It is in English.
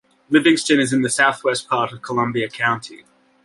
Livingston is in the southwest part of Columbia County.